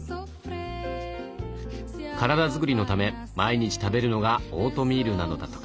体づくりのため毎日食べるのがオートミールなのだとか。